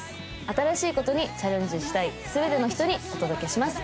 新しいことにチャレンジしたいすべての人にお届けします